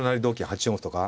８四歩とか。